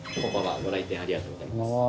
ご来店、ありがとうございます。